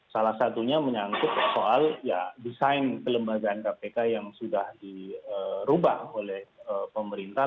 salah satunya menyangkut soal ya desain kelembagaan kpk yang sudah dirubah oleh pemerintah